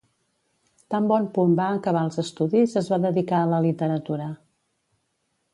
Tan bon punt va acabar els estudis es va dedicar a la literatura.